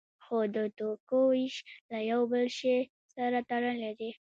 خو د توکو ویش له یو بل شی سره تړلی دی.